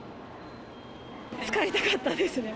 使いたかったですね。